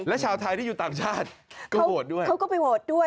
และชาวไทยที่อยู่ต่างชาติเขาโหวตด้วยเขาก็ไปโหวตด้วย